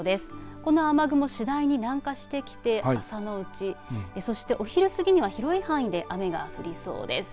この雨雲、次第に南下してきて朝のうち、そしてお昼過ぎには広い範囲で雨が降りそうです。